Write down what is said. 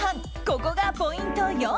ここがポイント４。